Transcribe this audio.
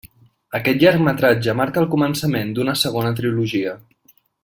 Aquest llargmetratge marca el començament d'una segona trilogia.